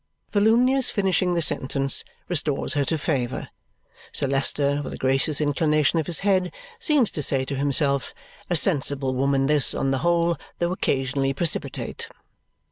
Volumnia's finishing the sentence restores her to favour. Sir Leicester, with a gracious inclination of his head, seems to say to himself, "A sensible woman this, on the whole, though occasionally precipitate."